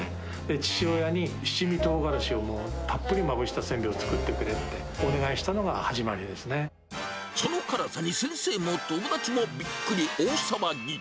父親に、七味トウガラシをもうたっぷりまぶした作ってくれってお願いしたその辛さに先生も友達もびっくり、大騒ぎ。